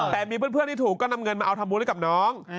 แต่มีเพื่อนที่ถูกก็นำเงินมาเอาทำบุญให้กับน้อง